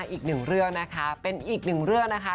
อีกหนึ่งเรื่องนะคะเป็นอีกหนึ่งเรื่องนะคะ